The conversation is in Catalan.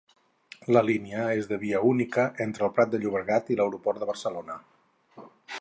La línia és de via única entre El Prat de Llobregat i l'Aeroport de Barcelona.